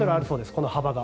この幅が。